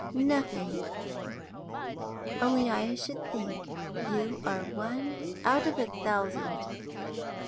"Nothing; only I should think you are one out of a thousand.